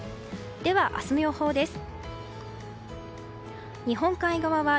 では、明日の予報です。